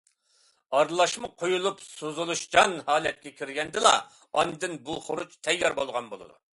ئارىلاشما قويۇلۇپ سوزۇلۇشچان ھالەتكە كىرگەندىلا، ئاندىن بۇ خۇرۇچ تەييار بولغان بولىدۇ.